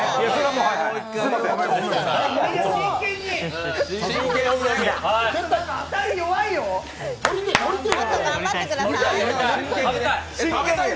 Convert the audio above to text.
もっと頑張ってください。